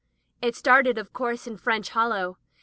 It started, of course, in French Hollow.